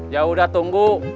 ya udah tunggu